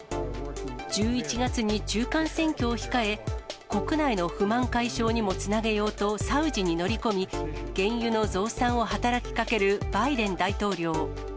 １１月に中間選挙を控え、国内の不満解消にもつなげようと、サウジに乗り込み、原油の増産を働きかけるバイデン大統領。